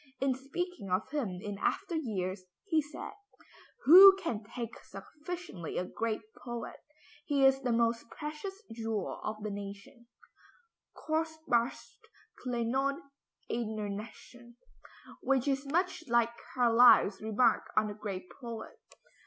In speaking of him in after years, he said, "Who can thank sufficiently a great poet? He is the most precious jewel of the nation" (kostbarste Kleinod einer Nation), which is much like Carlyle's remark on the great poet.